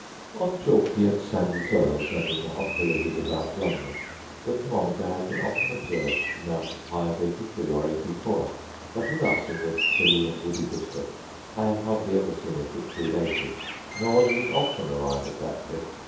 On chalky and sandy soils, and in the hot villages about London, the thermometer has been often observed to mount as high as 83 or 84; but with us, in this hilly and woody district, I have hardly ever seen it exceed 80; nor does it often arrive at that pitch.